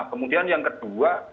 kemudian yang kedua